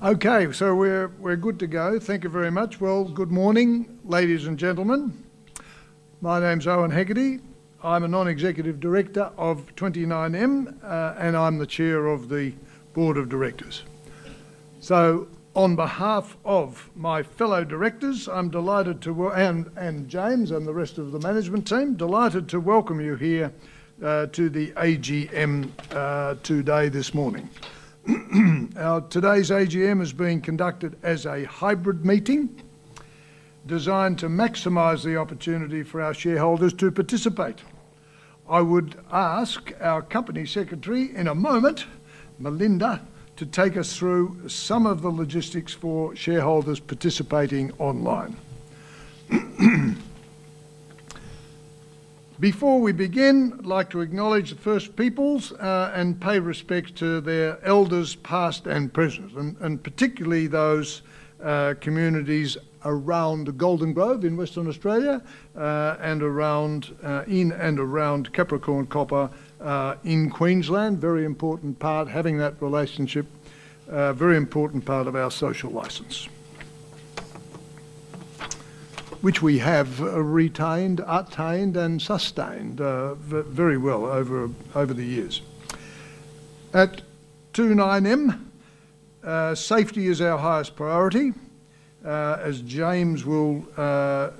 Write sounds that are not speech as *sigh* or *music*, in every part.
Okay, we're good to go. Thank you very much. Well, good morning, ladies and gentlemen. My name's Owen Hegarty. I'm a Non-Executive Director of 29M, and I'm the Chair of the Board of Directors. On behalf of my fellow Directors and James and the rest of the management team, I'm delighted to welcome you here to the AGM today, this morning. Today's AGM is being conducted as a hybrid meeting designed to maximize the opportunity for our shareholders to participate. I would ask our company secretary, in a moment, Melinda, to take us through some of the logistics for shareholders participating online. Before we begin, I'd like to acknowledge the First Peoples, and pay respect to their elders past and present, and particularly those communities around Golden Grove in Western Australia, and in and around Capricorn Copper in Queensland. Very important part, having that relationship, very important part of our social license which we have retained, attained, and sustained very well over the years. At 29M, safety is our highest priority, as James will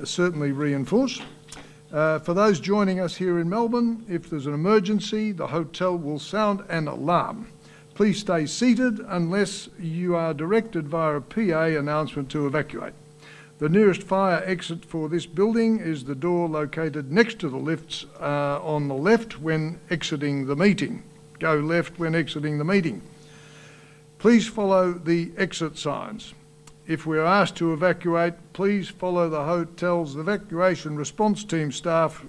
certainly reinforce. For those joining us here in Melbourne, if there is an emergency, the hotel will sound an alarm. Please stay seated unless you are directed via a PA announcement to evacuate. The nearest fire exit for this building is the door located next to the lifts on the left when exiting the meeting. Go left when exiting the meeting. Please follow the exit signs. If we are asked to evacuate, please follow the hotel's evacuation response team staff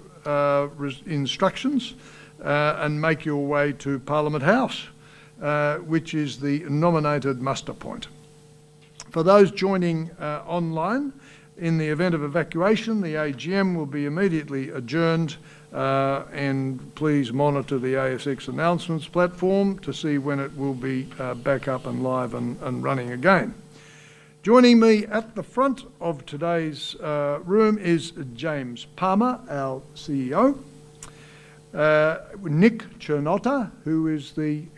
instructions, and make your way to Parliament House, which is the nominated muster point. For those joining online, in the event of evacuation, the AGM will be immediately adjourned. Please monitor the ASX announcements platform to see when it will be back up and live and running again. Joining me at the front of today's room is James Palmer, our CEO. Nick Cernotta, who is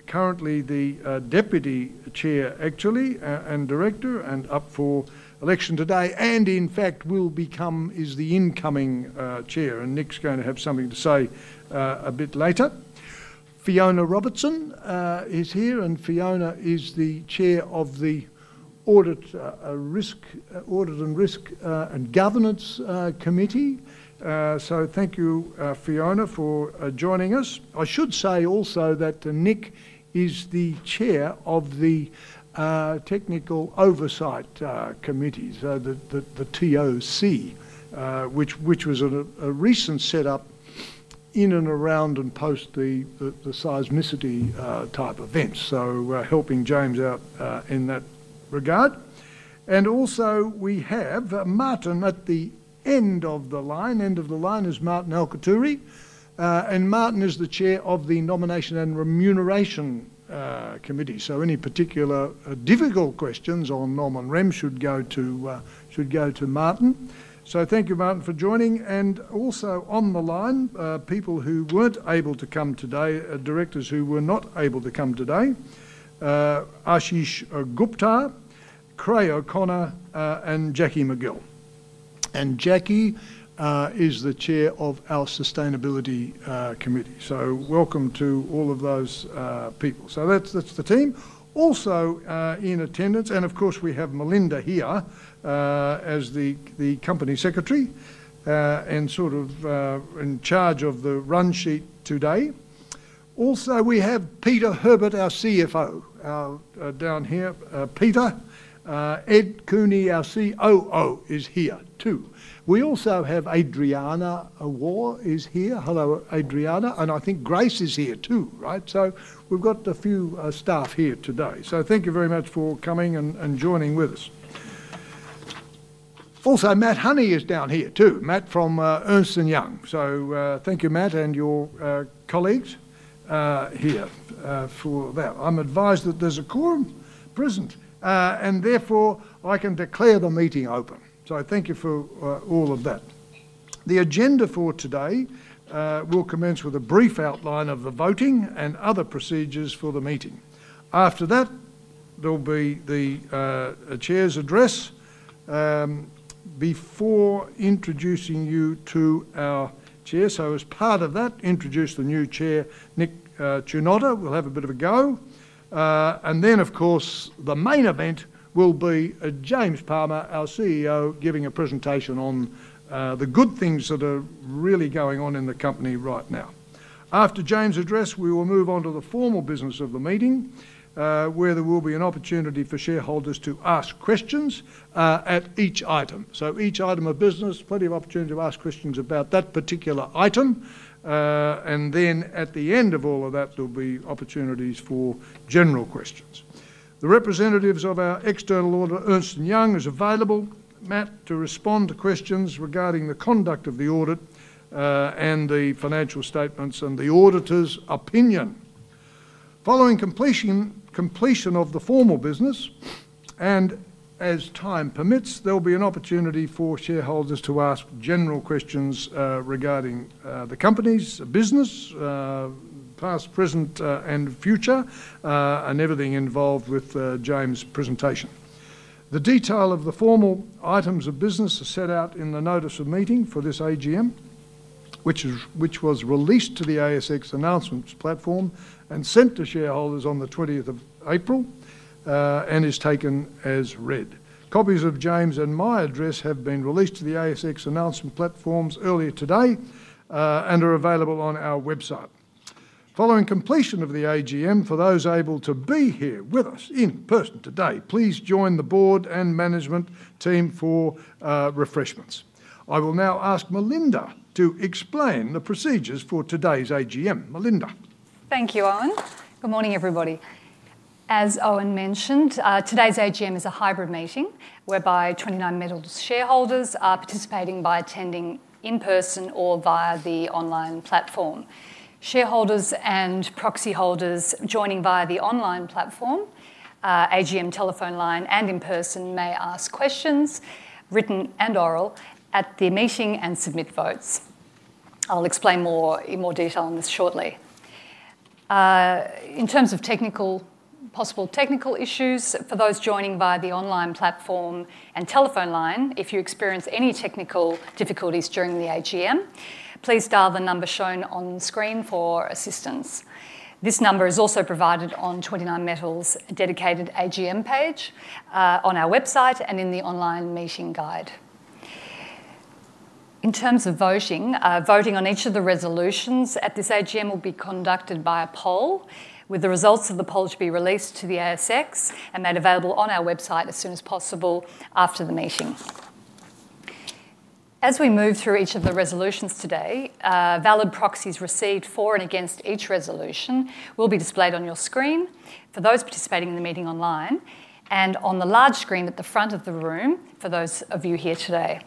currently the Deputy Chair, actually, and Director, and up for election today, and in fact is the incoming Chair. Nick's going to have something to say a bit later. Fiona Robertson is here, and Fiona is the Chair of the Audit, Governance and Risk Committee. Thank you, Fiona, for joining us. I should say also that Nick is the Chair of the Technical Oversight Committee, so the TOC, which was a recent set up in and around and post the seismicity type events, so helping James out in that regard. Also, we have Martin at the end of the line. End of the line is Martin Alciaturi, Martin is the Chair of the Remuneration and Nominations Committee. Any particular difficult questions on Nom and Rem should go to Martin. Thank you, Martin, for joining. Also on the line, people who weren't able to come today, Directors who were not able to come today, Ashish Gupta, Creagh O'Connor, and Jacqui McGill. Jackie is the Chair of our Sustainability Committee. Welcome to all of those people. That's the team. Also in attendance, of course we have Melinda here as the Company Secretary and sort of in charge of the run sheet today. Also, we have Peter Herbert, our CFO, down here. Peter. Ed Cooney, our COO, is here too. We also have Adrianna Waugh is here. Hello, Adrianna. I think Grace is here too, right? We've got a few staff here today. Thank you very much for coming and joining with us. Also, Matt Honey is down here too, Matt from Ernst and Young. Thank you, Matt, and your colleagues here for that. I'm advised that there's a quorum present, and therefore I can declare the meeting open. I thank you for all of that. The agenda for today will commence with a brief outline of the voting and other procedures for the meeting. After that, there will be the Chair's address before introducing you to our Chair. As part of that, introduce the new Chair, Nick Cernotta, will have a bit of a go. Then, of course, the main event will be James Palmer, our CEO, giving a presentation on the good things that are really going on in the company right now. After James' address, we will move on to the formal business of the meeting where there will be an opportunity for shareholders to ask questions at each item. Each item of business, plenty of opportunity to ask questions about that particular item. At the end of all of that, there'll be opportunities for general questions. The representatives of our external auditor, Ernst and Young, is available, Matt, to respond to questions regarding the conduct of the audit and the financial statements and the auditor's opinion. Following completion of the formal business, and as time permits, there'll be an opportunity for shareholders to ask general questions regarding the company's business, past, present, and future, and everything involved with James' presentation. The detail of the formal items of business are set out in the notice of meeting for this AGM, which was released to the ASX announcements platform and sent to shareholders on the 20th of April, and is taken as read. Copies of James' and my address have been released to the ASX announcement platforms earlier today, and are available on our website. Following completion of the AGM, for those able to be here with us in person today, please join the board and management team for refreshments. I will now ask Melinda to explain the procedures for today's AGM. Melinda. Thank you, Owen. Good morning, everybody. As Owen mentioned, today's AGM is a hybrid meeting whereby 29Metals shareholders are participating by attending in person or via the online platform. Shareholders and proxy holders joining via the online platform, AGM telephone line, and in person, may ask questions, written and oral, at the meeting and submit votes. I'll explain in more detail on this shortly. In terms of possible technical issues, for those joining via the online platform and telephone line, if you experience any technical difficulties during the AGM, please dial the number shown on screen for assistance. This number is also provided on 29Metals' dedicated AGM page, on our website, and in the online meeting guide. In terms of voting on each of the resolutions at this AGM will be conducted by a poll, with the results of the poll to be released to the ASX and made available on our website as soon as possible after the meeting. As we move through each of the resolutions today, valid proxies received for and against each resolution will be displayed on your screen for those participating in the meeting online, and on the large screen at the front of the room for those of you here today.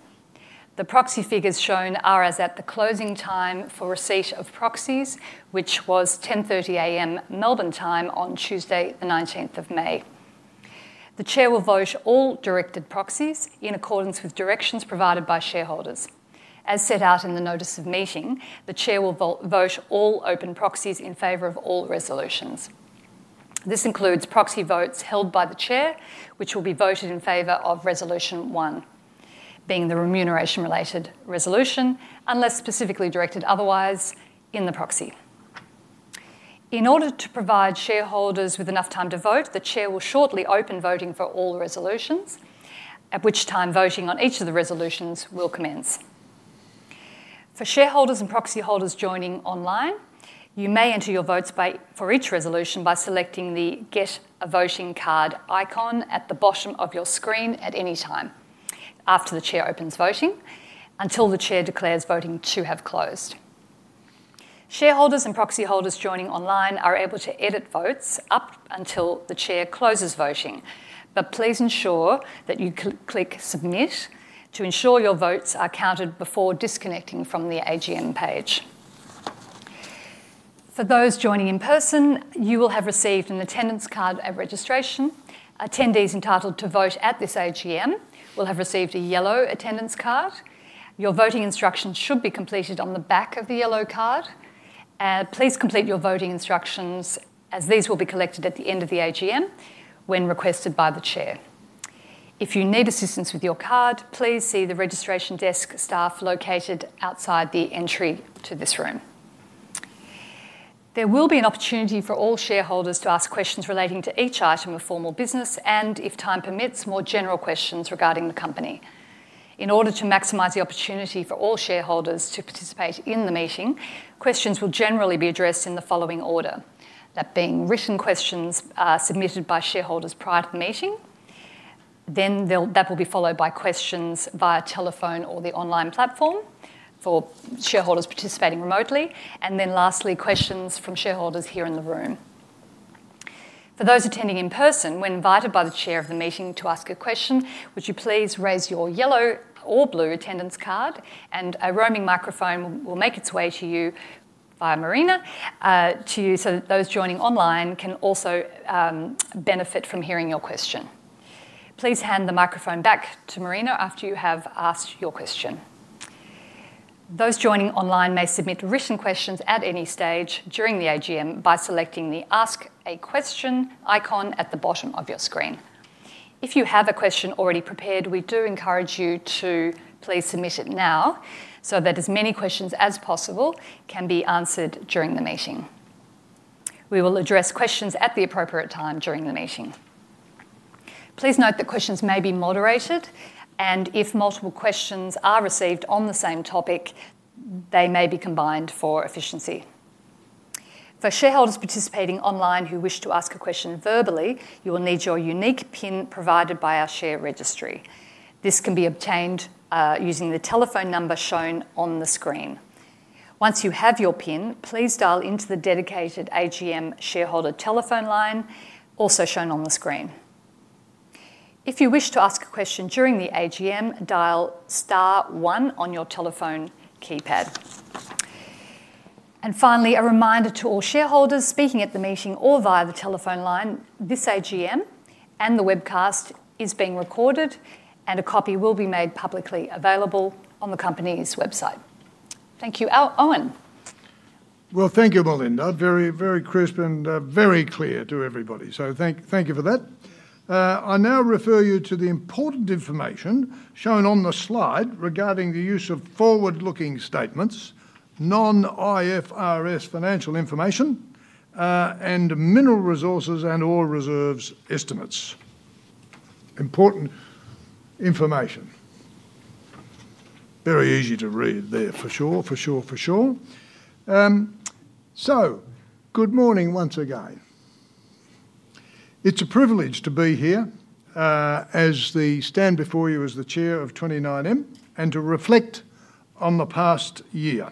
The proxy figures shown are as at the closing time for receipt of proxies, which was 10:30 A.M. Melbourne time on Tuesday the 19th of May. The Chair will vote all directed proxies in accordance with directions provided by shareholders. As set out in the notice of meeting, the Chair will vote all open proxies in favor of all resolutions. This includes proxy votes held by the Chair, which will be voted in favor of Resolution 1 being the remuneration-related resolution, unless specifically directed otherwise in the proxy. In order to provide shareholders with enough time to vote, the chair will shortly open voting for all resolutions, at which time voting on each of the resolutions will commence. For shareholders and proxy holders joining online, you may enter your votes for each resolution by selecting the Get a Voting Card icon at the bottom of your screen at any time after the Chair opens voting, until the Chair declares voting to have closed. Shareholders and proxy holders joining online are able to edit votes up until the Chair closes voting. Please ensure that you click Submit to ensure your votes are counted before disconnecting from the AGM page. For those joining in person, you will have received an attendance card at registration. Attendees entitled to vote at this AGM will have received a yellow attendance card. Your voting instructions should be completed on the back of the yellow card. Please complete your voting instructions, as these will be collected at the end of the AGM when requested by the Chair. If you need assistance with your card, please see the registration desk staff located outside the entry to this room. There will be an opportunity for all shareholders to ask questions relating to each item of formal business and, if time permits, more general questions regarding the company. In order to maximize the opportunity for all shareholders to participate in the meeting, questions will generally be addressed in the following order. That being written questions submitted by shareholders prior to the meeting, then that will be followed by questions via telephone or the online platform for shareholders participating remotely, and then lastly, questions from shareholders here in the room. For those attending in person, when invited by the Chair of the meeting to ask a question, would you please raise your yellow or blue attendance card and a roaming microphone will make its way to you via Marina, so that those joining online can also benefit from hearing your question. Please hand the microphone back to Marina after you have asked your question. Those joining online may submit written questions at any stage during the AGM by selecting the Ask a Question icon at the bottom of your screen. If you have a question already prepared, we do encourage you to please submit it now so that as many questions as possible can be answered during the meeting. We will address questions at the appropriate time during the meeting. Please note that questions may be moderated, and if multiple questions are received on the same topic, they may be combined for efficiency. For shareholders participating online who wish to ask a question verbally, you will need your unique PIN provided by our share registry. This can be obtained using the telephone number shown on the screen. Once you have your PIN, please dial into the dedicated AGM shareholder telephone line, also shown on the screen. If you wish to ask a question during the AGM, dial star one on your telephone keypad. Finally, a reminder to all shareholders speaking at the meeting or via the telephone line, this AGM and the webcast is being recorded, and a copy will be made publicly available on the company's website. Thank you. Owen? Thank you, Melinda. Very crisp and very clear to everybody. Thank you for that. I now refer you to the important information shown on the slide regarding the use of forward-looking statements, non-IFRS financial information, and mineral resources and ore reserves estimates. Important information. Very easy to read there for sure. Good morning once again. It's a privilege to be here, as I stand before you as the Chair of 29Metals, and to reflect on the past year.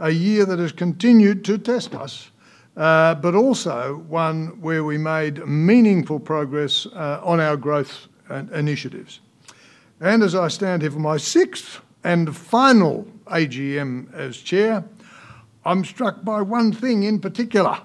A year that has continued to test us, also one where we made meaningful progress on our growth initiatives. As I stand here for my sixth and final AGM as Chair, I'm struck by one thing in particular.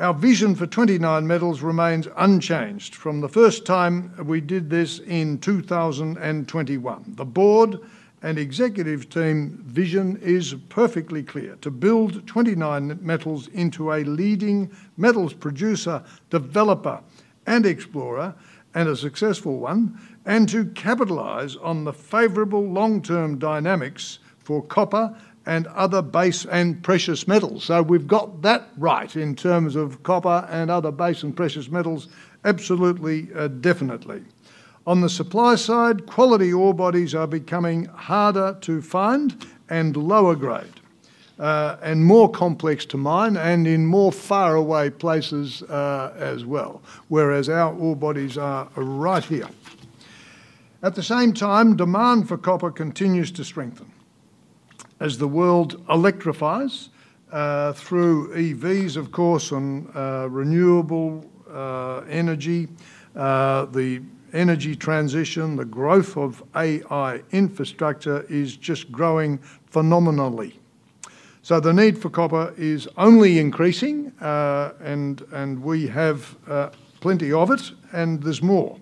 Our vision for 29Metals remains unchanged from the first time we did this in 2021. The board and executive team vision is perfectly clear: to build 29Metals into a leading metals producer, developer, and explorer, and a successful one, and to capitalize on the favorable long-term dynamics for copper and other base and precious metals. We've got that right in terms of copper and other base and precious metals. Absolutely, definitely. On the supply side, quality ore bodies are becoming harder to find and lower grade, and more complex to mine, and in more faraway places, as well, whereas our ore bodies are right here. At the same time, demand for copper continues to strengthen as the world electrifies through EVs, of course, and renewable energy. The energy transition, the growth of AI infrastructure is just growing phenomenally. The need for copper is only increasing, and we have plenty of it and there's more.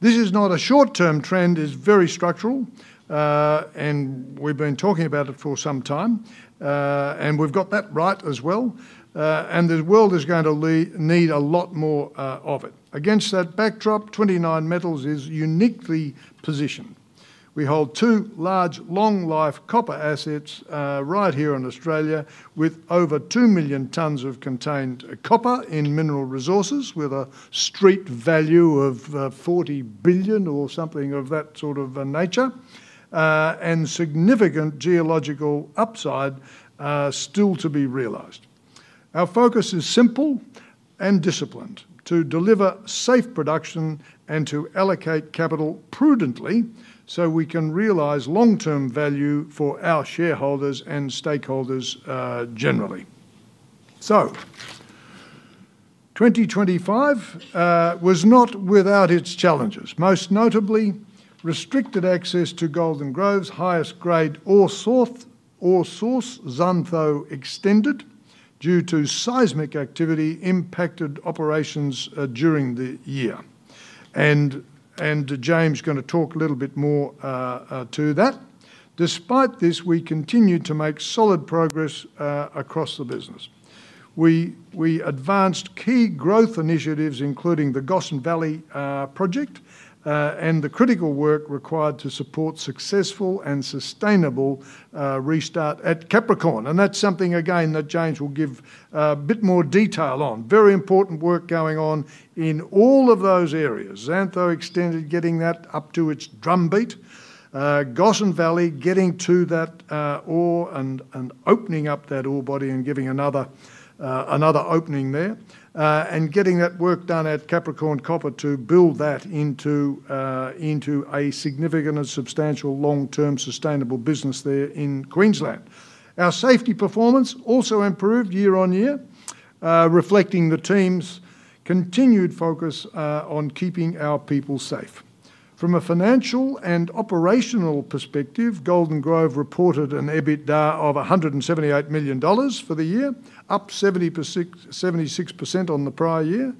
This is not a short-term trend, it's very structural, and we've been talking about it for some time. We've got that right as well. The world is going to need a lot more of it. Against that backdrop, 29Metals is uniquely positioned. We hold two large, long-life copper assets right here in Australia with over two million tons of contained copper in mineral resources, with a street value of 40 billion or something of that sort of nature, and significant geological upside still to be realized. Our focus is simple and disciplined: to deliver safe production and to allocate capital prudently so we can realize long-term value for our shareholders and stakeholders generally. 2025 was not without its challenges. Most notably, restricted access to Golden Grove's highest grade ore source, Xantho Extended, due to seismic activity impacted operations during the year. James is going to talk a little bit more to that. Despite this, we continued to make solid progress across the business. We advanced key growth initiatives, including the Gossan Valley project, and the critical work required to support successful and sustainable restart at Capricorn. That's something, again, that James will give a bit more detail on. Very important work going on in all of those areas. Xantho Extended, getting that up to its drumbeat. Gossan Valley, getting to that ore and opening up that ore body and giving another opening there. Getting that work done at Capricorn Copper to build that into a significant and substantial long-term sustainable business there in Queensland. Our safety performance also improved year-on-year, reflecting the team's continued focus on keeping our people safe. From a financial and operational perspective, Golden Grove reported an EBITDA of 178 million dollars for the year, up 76% on the prior year.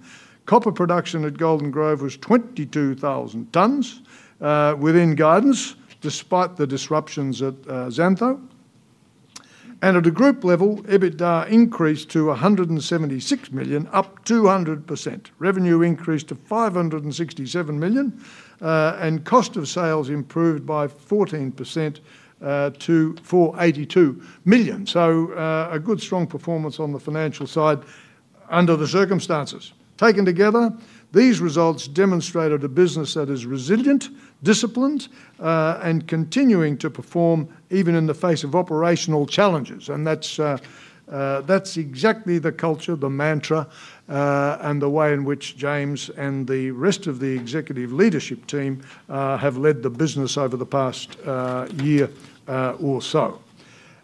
copper production at Golden Grove was 22,000 tons, within guidance despite the disruptions at Xantho. At a group level, EBITDA increased to 176 million, up 200%. Revenue increased to 567 million, and cost of sales improved by 14% to 482 million. A good strong performance on the financial side under the circumstances. Taken together, these results demonstrated a business that is resilient, disciplined, and continuing to perform even in the face of operational challenges. That's exactly the culture, the mantra, and the way in which James and the rest of the executive leadership team have led the business over the past year or so.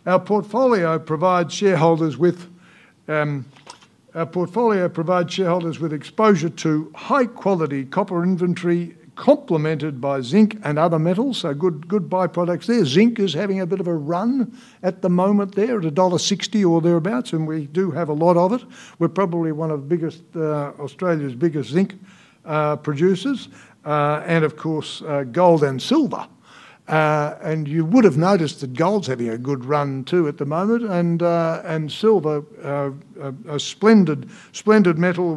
Our portfolio provides shareholders with exposure to high-quality copper inventory complemented by zinc and other metals. Good byproducts there. Zinc is having a bit of a run at the moment there, at dollar 1.60 or thereabouts, and we do have a lot of it. We're probably one of Australia's biggest zinc producers. Of course, gold and silver. You would've noticed that gold's having a good run, too, at the moment. Silver, a splendid metal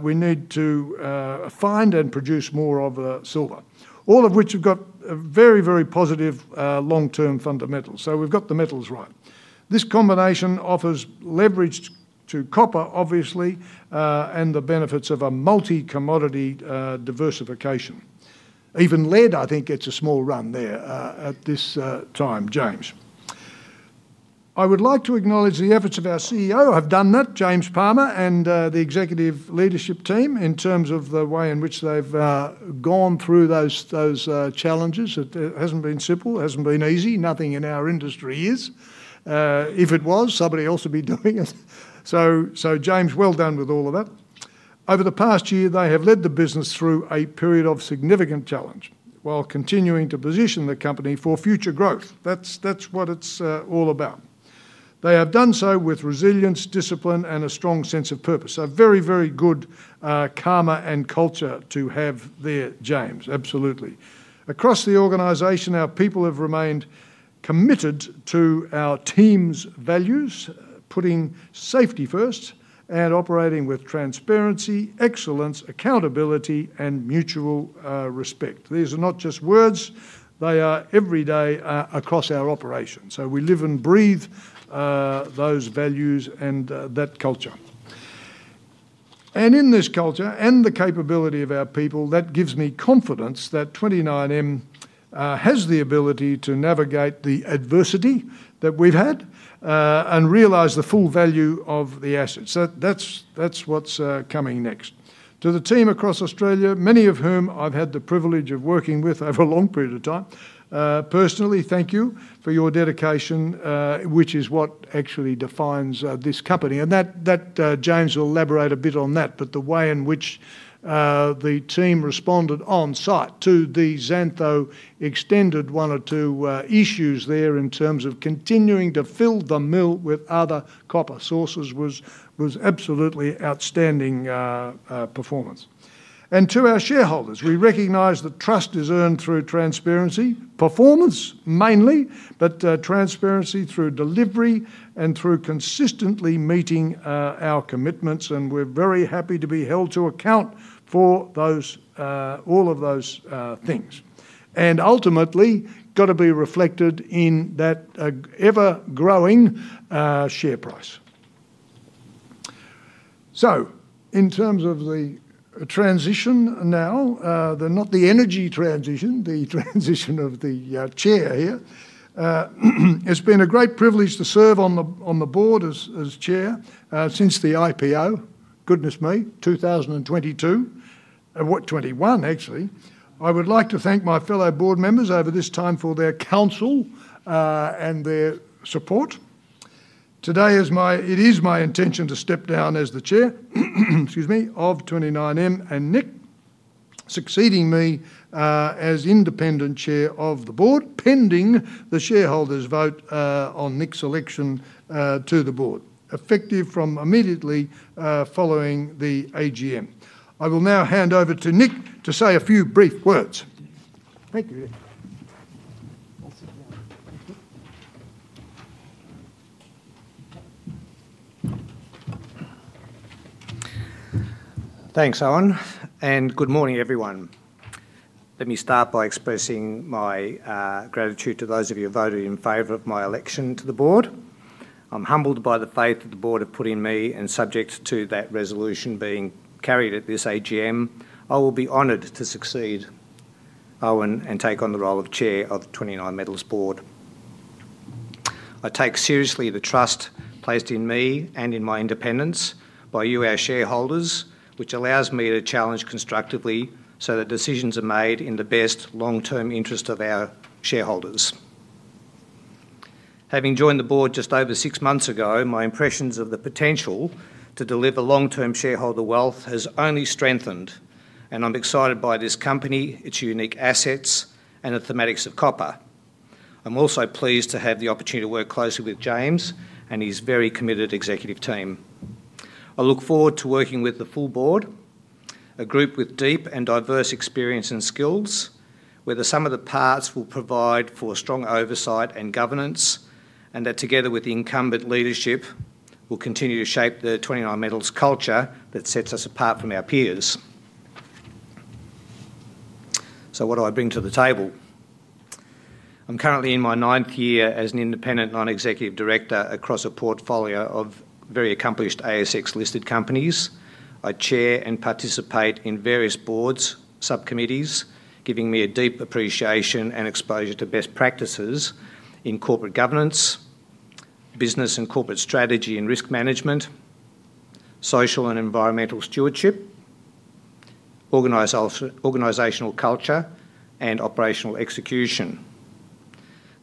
we need to find and produce more of, silver. All of which have got very positive long-term fundamentals. We've got the metals right. This combination offers leverage to copper, obviously, and the benefits of a multi-commodity diversification. Even lead, I think, gets a small run there at this time, James. I would like to acknowledge the efforts of our CEO. I've done that, James Palmer, and the executive leadership team in terms of the way in which they've gone through those challenges. It hasn't been simple, hasn't been easy. Nothing in our industry is. If it was, somebody else would be doing it. James, well done with all of that. Over the past year, they have led the business through a period of significant challenge while continuing to position the company for future growth. That's what it's all about. They have done so with resilience, discipline, and a strong sense of purpose. Very good karma and culture to have there, James. Absolutely. Across the organization, our people have remained committed to our team's values, putting safety first and operating with transparency, excellence, accountability, and mutual respect. These are not just words. They are every day across our operations. We live and breathe those values and that culture. In this culture and the capability of our people, that gives me confidence that 29M has the ability to navigate the adversity that we've had and realize the full value of the assets. That's what's coming next. To the team across Australia, many of whom I've had the privilege of working with over a long period of time, personally, thank you for your dedication, which is what actually defines this company. James will elaborate a bit on that. The way in which the team responded on site to the Xantho Extended one or two issues there in terms of continuing to fill the mill with other copper sources was absolutely outstanding performance. To our shareholders, we recognize that trust is earned through transparency, performance mainly, but transparency through delivery and through consistently meeting our commitments. We're very happy to be held to account for all of those things. Ultimately, got to be reflected in that ever-growing share price. In terms of the transition now, not the energy transition, the transition of the Chair here. It's been a great privilege to serve on the board as Chair since the IPO. Goodness me, 2022. What? 2021, actually. I would like to thank my fellow board members over this time for their counsel and their support. Today, it is my intention to step down as the Chair, excuse me, of 29M, and Nick succeeding me as Independent Chair of the Board pending the shareholders vote on Nick's election to the board, effective from immediately following the AGM. I will now hand over to Nick to say a few brief words. Thank you. Thanks, Owen. Good morning, everyone. Let me start by expressing my gratitude to those of you who voted in favor of my election to the board. I'm humbled by the faith that the board have put in me, and subject to that resolution being carried at this AGM, I will be honored to succeed Owen and take on the role of Chair of the 29Metals Board. I take seriously the trust placed in me and in my independence by you, our shareholders, which allows me to challenge constructively so that decisions are made in the best long-term interest of our shareholders. Having joined the board just over six months ago, my impressions of the potential to deliver long-term shareholder wealth has only strengthened, and I'm excited by this company, its unique assets, and the thematics of copper. I'm also pleased to have the opportunity to work closely with James and his very committed executive team. I look forward to working with the full board, a group with deep and diverse experience and skills, where the sum of the parts will provide for strong oversight and governance, and that together with the incumbent leadership, will continue to shape the 29Metals culture that sets us apart from our peers. What do I bring to the table? I'm currently in my ninth year as an Independent Non-Executive Director across a portfolio of very accomplished ASX listed companies. I chair and participate in various boards, subcommittees, giving me a deep appreciation and exposure to best practices in corporate governance, business and corporate strategy and risk management, social and environmental stewardship, organizational culture, and operational execution.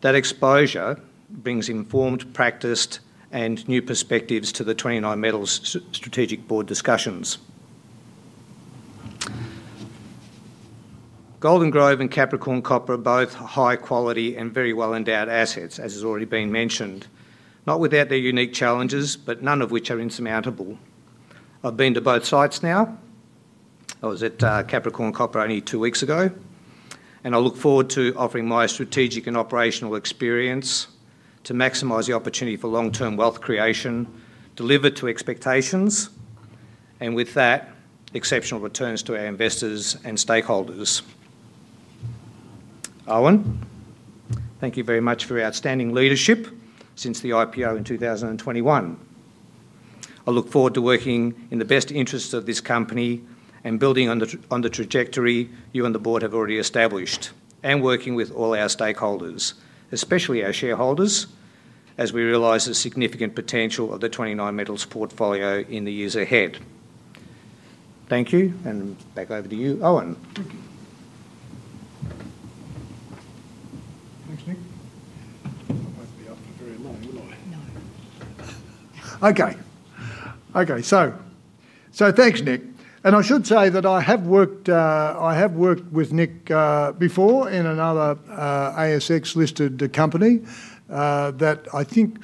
That exposure brings informed, practiced, and new perspectives to the 29Metals strategic board discussions. Golden Grove and Capricorn Copper are both high quality and very well-endowed assets, as has already been mentioned. Not without their unique challenges, but none of which are insurmountable. I've been to both sites now. I was at Capricorn Copper only two weeks ago, and I look forward to offering my strategic and operational experience to maximize the opportunity for long-term wealth creation, deliver to expectations and, with that, exceptional returns to our investors and stakeholders. Owen, thank you very much for your outstanding leadership since the IPO in 2021. I look forward to working in the best interests of this company and building on the trajectory you and the board have already established. Working with all our stakeholders, especially our shareholders, as we realize the significant potential of the 29Metals portfolio in the years ahead. Thank you, and back over to you, Owen. Thank you. Thanks, Nick. I won't be up very long, will I? No. Okay. Thanks, Nick. I should say that I have worked with Nick before in another ASX-listed company that I think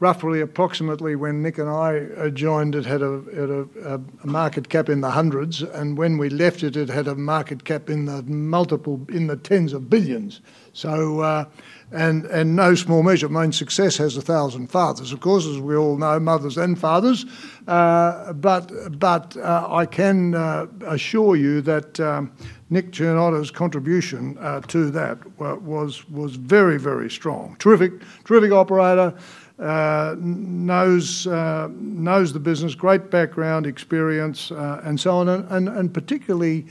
roughly, approximately when Nick and I joined, it had a market cap in the hundreds. When we left it had a market cap in the tens of billions. No small measure of mine success has 1,000 fathers. Of course, as we all know, mothers and fathers. I can assure you that Nick Cernotta's contribution to that was very, very strong. Terrific operator. Knows the business. Great background experience and so on. Particularly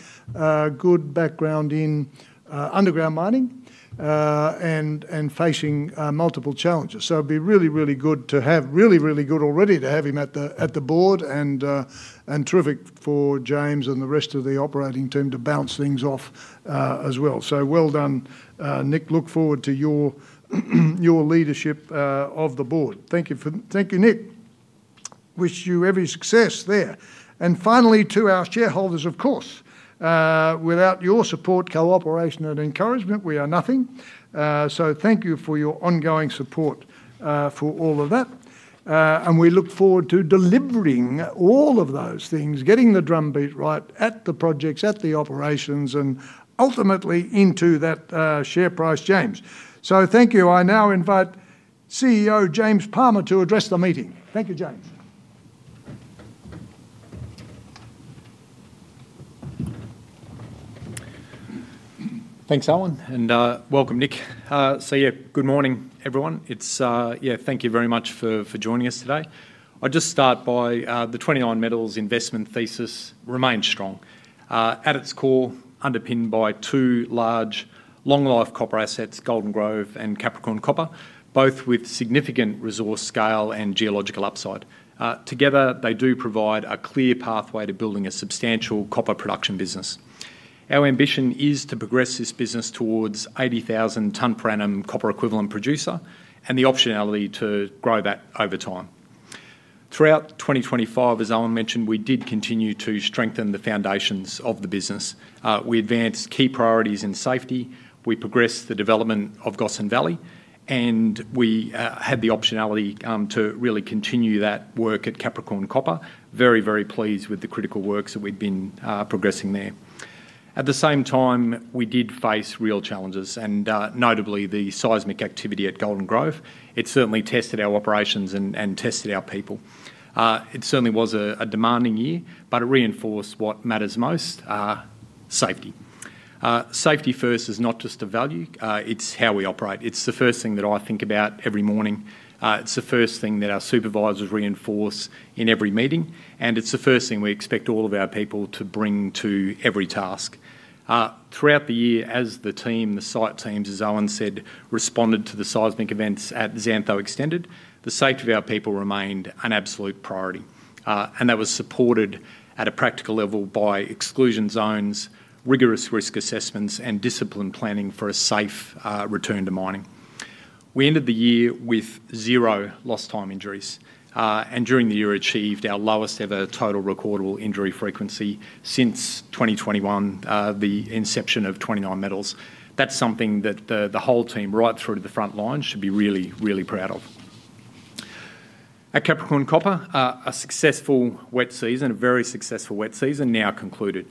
good background in underground mining and facing multiple challenges. It'll be really, really good to have. Really, really good already to have him at the board and terrific for James and the rest of the operating team to bounce things off as well. Well done, Nick. Look forward to your leadership of the board. Thank you, Nick. Wish you every success there. Finally, to our shareholders, of course. Without your support, cooperation, and encouragement, we are nothing. Thank you for your ongoing support for all of that. We look forward to delivering all of those things, getting the drumbeat right at the projects, at the operations, and ultimately into that share price. James. Thank you. I now invite CEO James Palmer to address the meeting. Thank you, James. Thanks, Owen, and welcome, Nick. Yeah, good morning, everyone. Thank you very much for joining us today. The 29Metals investment thesis remains strong. At its core, underpinned by two large, long-life copper assets, Golden Grove and Capricorn Copper, both with significant resource scale and geological upside. Together, they do provide a clear pathway to building a substantial copper production business. Our ambition is to progress this business towards 80,000 ton per annum copper equivalent producer, and the optionality to grow that over time. Throughout 2025, as Owen mentioned, we did continue to strengthen the foundations of the business. We advanced key priorities in safety. We progressed the development of Gossan Valley. We had the optionality to really continue that work at Capricorn Copper. Very, very pleased with the critical works that we'd been progressing there. At the same time, we did face real challenges, notably the seismic activity at Golden Grove. It certainly tested our operations and tested our people. It certainly was a demanding year, but it reinforced what matters most, safety. Safety first is not just a value, it's how we operate. It's the first thing that I think about every morning. It's the first thing that our supervisors reinforce in every meeting, and it's the first thing we expect all of our people to bring to every task. Throughout the year, as the team, the site teams, as Owen said, responded to the seismic events at Xantho Extended, the safety of our people remained an absolute priority. That was supported at a practical level by exclusion zones, rigorous risk assessments, and disciplined planning for a safe return to mining. We ended the year with zero lost time injuries. During the year, achieved our lowest-ever total recordable injury frequency since 2021, the inception of 29Metals. That's something that the whole team, right through to the front line, should be really, really proud of. At Capricorn Copper, a successful wet season, a very successful wet season, now concluded.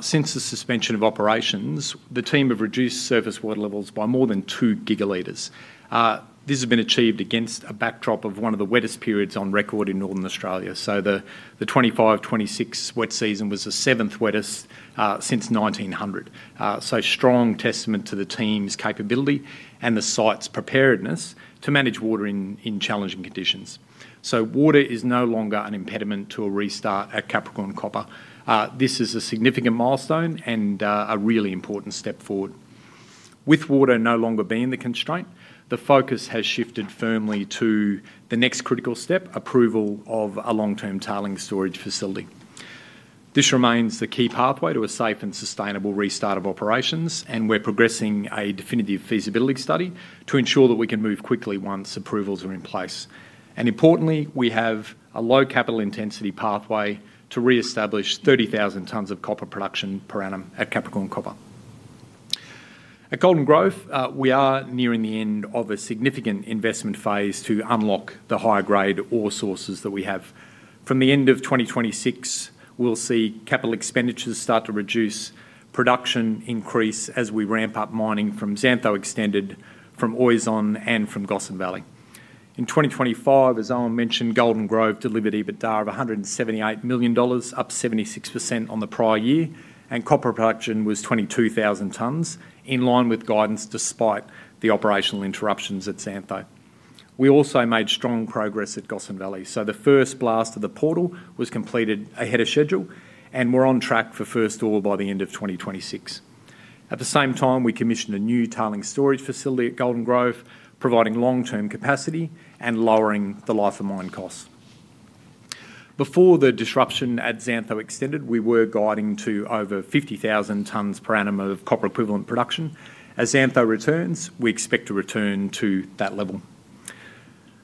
Since the suspension of operations, the team have reduced surface water levels by more than 2 GL. This has been achieved against a backdrop of one of the wettest periods on record in Northern Australia. The 2025, 2026 wet season was the seventh wettest since 1900. Strong testament to the team's capability and the site's preparedness to manage water in challenging conditions. Water is no longer an impediment to a restart at Capricorn Copper. This is a significant milestone and a really important step forward. With water no longer being the constraint, the focus has shifted firmly to the next critical step, approval of a long-term tailings storage facility. This remains the key pathway to a safe and sustainable restart of operations, and we're progressing a definitive feasibility study to ensure that we can move quickly once approvals are in place. Importantly, we have a low capital intensity pathway to reestablish 30,000 tons of copper production per annum at Capricorn Copper. At Golden Grove, we are nearing the end of a significant investment phase to unlock the higher grade ore sources that we have. From the end of 2026, we'll see capital expenditures start to reduce production increase as we ramp up mining from Xantho Extended, from Oizon, and from Gossan Valley. In 2025, as Owen mentioned, Golden Grove delivered EBITDA of 178 million dollars, up 76% on the prior year, and copper production was 22,000 tons, in line with guidance despite the operational interruptions at Xantho. We also made strong progress at Gossan Valley. The first blast of the portal was completed ahead of schedule, and we're on track for first ore by the end of 2026. At the same time, we commissioned a new tailings storage facility at Golden Grove, providing long-term capacity and lowering the life of mine costs. Before the disruption at Xantho Extended, we were guiding to over 50,000 tons per annum of copper equivalent production. As Xantho returns, we expect to return to that level.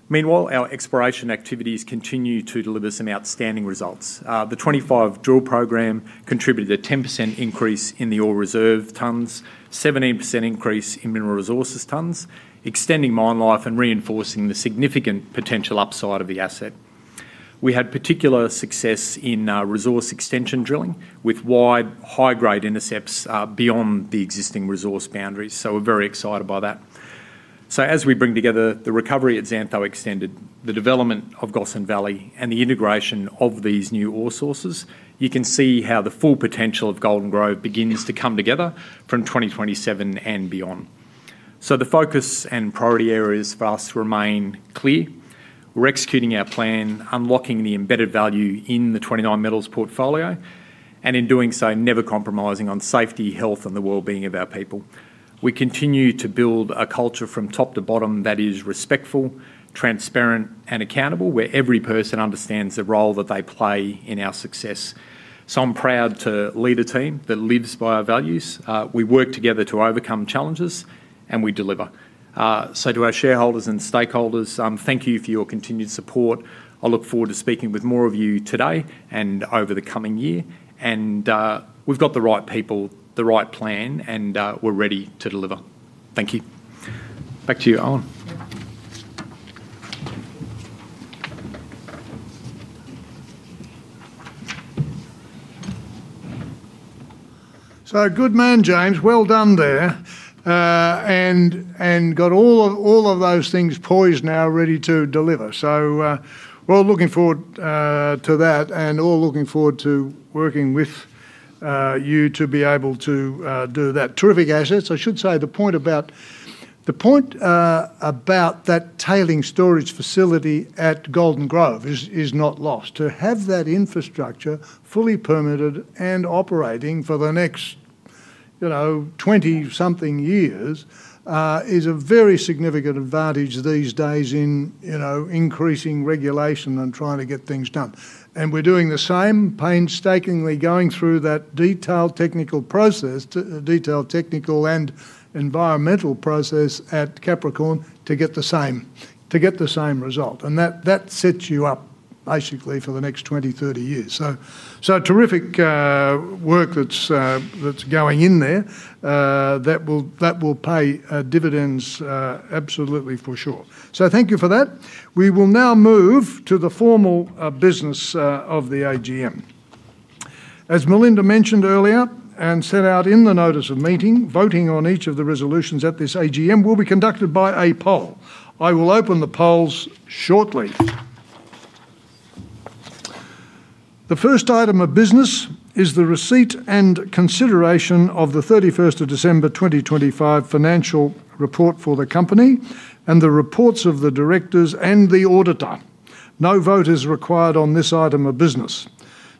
Meanwhile, our exploration activities continue to deliver some outstanding results. The 2025 drill program contributed to 10% increase in the ore reserve tons, 17% increase in mineral resources tons, extending mine life and reinforcing the significant potential upside of the asset. We had particular success in resource extension drilling with wide high grade intercepts beyond the existing resource boundaries, we're very excited by that. As we bring together the recovery at Xantho Extended, the development of Gossan Valley, and the integration of these new ore sources, you can see how the full potential of Golden Grove begins to come together from 2027 and beyond. The focus and priority areas for us remain clear. We're executing our plan, unlocking the embedded value in the 29Metals portfolio, and in doing so, never compromising on safety, health, and the wellbeing of our people. We continue to build a culture from top to bottom that is respectful, transparent, and accountable, where every person understands the role that they play in our success. I'm proud to lead a team that lives by our values. We work together to overcome challenges, and we deliver. To our shareholders and stakeholders, thank you for your continued support. I look forward to speaking with more of you today and over the coming year. We've got the right people, the right plan, and we're ready to deliver. Thank you. Back to you, Owen. Good man, James. Well done there. Got all of those things poised now ready to deliver, we'll looking forward to that and all looking forward to working with you to be able to do that. Terrific assets. I should say, the point about that tailings storage facility at Golden Grove is not lost. To have that infrastructure fully permitted and operating for the next 20-something years, is a very significant advantage these days in increasing regulation and trying to get things done. We're doing the same painstakingly going through that detailed technical process to detailed technical and environmental process at Capricorn to get the same result. That sets you up basically for the next 20, 30 years. Terrific work that's going in there. That will pay dividends absolutely for sure. Thank you for that. We will now move to the formal business of the AGM. As Melinda mentioned earlier, and set out in the notice of meeting, voting on each of the resolutions at this AGM will be conducted by a poll. I will open the polls shortly. The first item of business is the receipt and consideration of the 31st of December 2025 financial report for the company and the reports of the directors and the auditor. No vote is required on this item of business.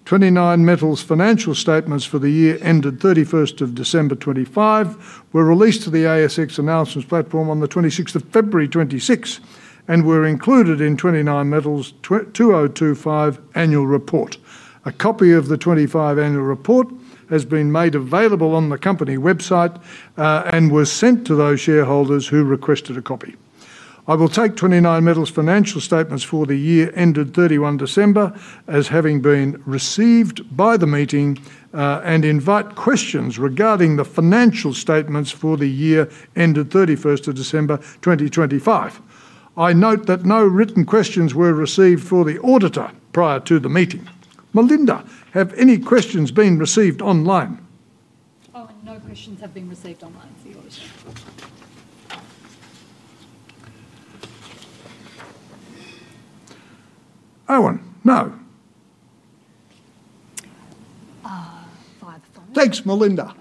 29Metals financial statements for the year ended 31st of December 2025 were released to the ASX announcements platform on the 26th of February 2026 and were included in 29Metals' 2025 annual report. A copy of the 2025 annual report has been made available on the company website, and was sent to those shareholders who requested a copy. I will take 29Metals financial statements for the year ended 31 December as having been received by the meeting, and invite questions regarding the financial statements for the year ended 31st of December 2025. I note that no written questions were received for the auditor prior to the meeting. Melinda, have any questions been received online? Owen, no questions have been received online for the auditor. Owen, no. By the phone. Thanks, Melinda.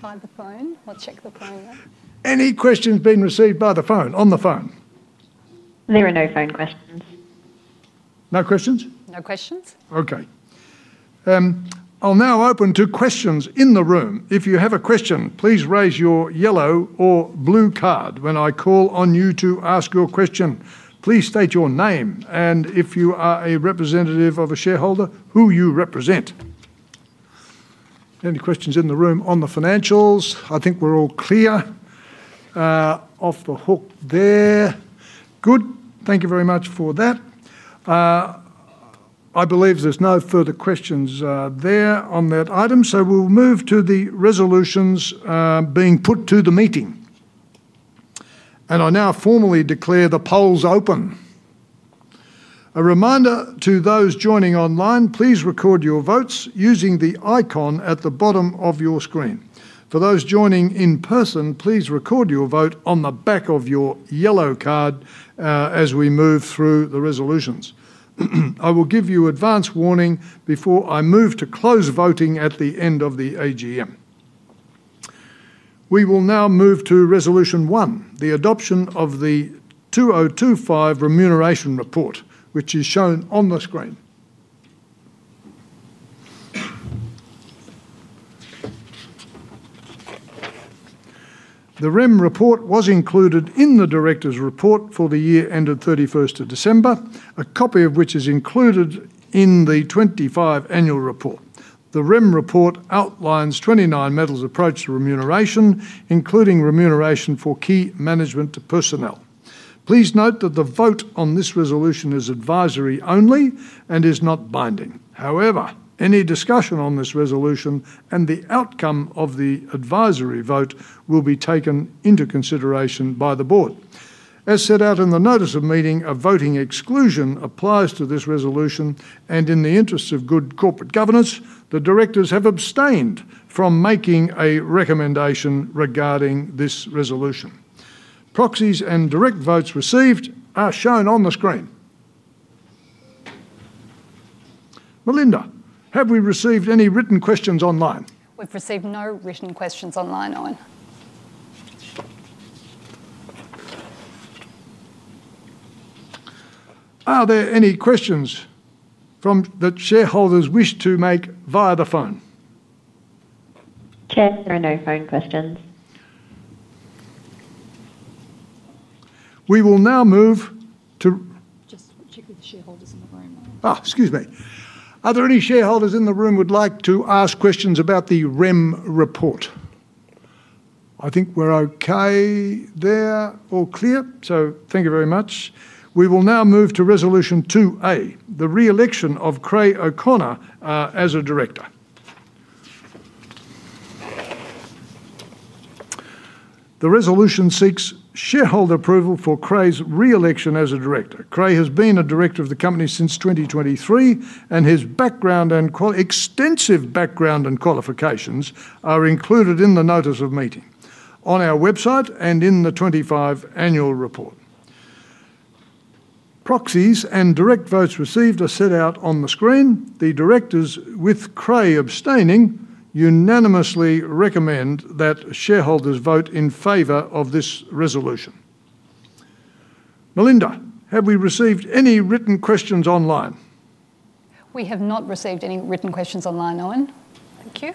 By the phone. I'll check the phone then. Any questions been received by the phone, on the phone? There are no phone questions. No questions? No questions. Okay. I'll now open to questions in the room. If you have a question, please raise your yellow or blue card. When I call on you to ask your question, please state your name, and if you are a representative of a shareholder, who you represent. Any questions in the room on the financials? I think we're all clear. Off the hook there. Good. Thank you very much for that. I believe there's no further questions there on that item, so we'll move to the resolutions being put to the meeting. I now formally declare the polls open. A reminder to those joining online, please record your votes using the icon at the bottom of your screen. For those joining in person, please record your vote on the back of your yellow card as we move through the resolutions. I will give you advance warning before I move to close voting at the end of the AGM. We will now move to Resolution 1, the adoption of the 2025 Remuneration Report, which is shown on the screen. The Rem report was included in the director's report for the year ended 31st of December, a copy of which is included in the 2025 annual report. The Rem report outlines 29Metals' approach to remuneration, including remuneration for key management personnel. Please note that the vote on this resolution is advisory only and is not binding. However, any discussion on this resolution and the outcome of the advisory vote will be taken into consideration by the board. As set out in the notice of meeting, a voting exclusion applies to this resolution. In the interests of good corporate governance, the directors have abstained from making a recommendation regarding this resolution. Proxies and direct votes received are shown on the screen. Melinda, have we received any written questions online? We've received no written questions online, Owen. Are there any questions from the shareholders wish to make via the phone? Chair, there are no phone questions. We will now move. Just check with the shareholders in the room. Excuse me. Are there any shareholders in the room who would like to ask questions about the Rem report? I think we're okay there. All clear. Thank you very much. We will now move to Resolution 2A, the reelection of Creagh O'Connor as a director. The resolution seeks shareholder approval for Creagh's reelection as a director. Creagh has been a director of the company since 2023, and his extensive background and qualifications are included in the notice of meeting, on our website, and in the 2025 annual report. Proxies and direct votes received are set out on the screen. The directors, with Creagh abstaining, unanimously recommend that shareholders vote in favor of this resolution. Melinda, have we received any written questions online? We have not received any written questions online, Owen. Thank you.